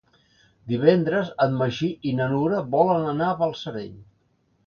Divendres en Magí i na Nura volen anar a Balsareny.